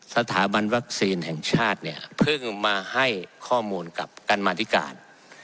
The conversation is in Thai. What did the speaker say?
สถาบันวัคซีนแห่งชาติเนี่ยเพิ่งมาให้ข้อมูลกับการมาธิการ